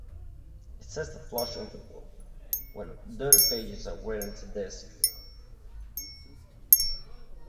It sets the flush interval when dirty pages are written to disk.